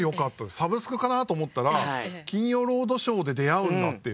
サブスクかなと思ったら「金曜ロードショー」で出会うんだっていう。